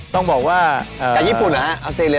ต้องบอกว่าใกล้ญี่ปุ่นเหรอฮะ